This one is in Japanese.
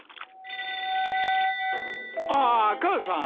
☎ああ母さん？